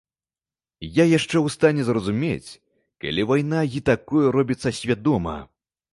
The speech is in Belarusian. Я яшчэ ў стане зразумець, калі вайна і такое робіцца свядома.